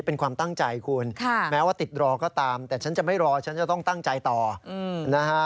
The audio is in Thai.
เป็นความตั้งใจคุณแม้ว่าติดรอก็ตามแต่ฉันจะไม่รอฉันจะต้องตั้งใจต่อนะฮะ